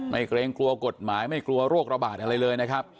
เกรงกลัวกฎหมายไม่กลัวโรคระบาดอะไรเลยนะครับ